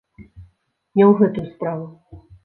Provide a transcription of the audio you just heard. Не ў гэтым справа.